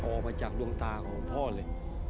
ออกมาจากดวงตาของพ่อเลย